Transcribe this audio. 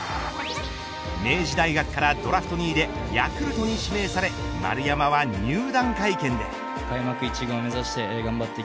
明治大学からドラフト２位でヤクルトに指名され丸山は入団会見で。